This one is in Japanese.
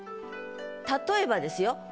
例えばですよ。